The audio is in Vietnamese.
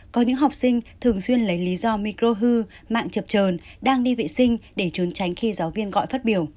có những học sinh thường xuyên lấy lý do microhu mạng chập trờn đang đi vệ sinh để trốn tránh khi giáo viên gọi phát biểu